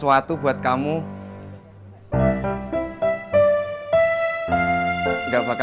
gimana kalau dikoreyl